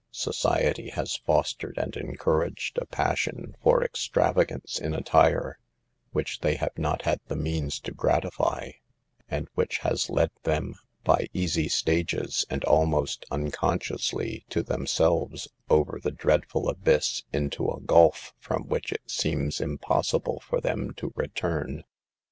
Society has fostered and encouraged a passion for ex travagance in attire which they have not had the means to gratify, and which has led them, by easy stages, and almost unconsciously to themselves, over the dreadful abyss into a gulf from which it seems impossible for them to re turn.